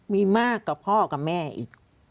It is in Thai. มีมากกว่าพ่อกับแม่อีก